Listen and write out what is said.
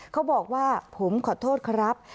เขาบอกว่าผมขอโทษครับ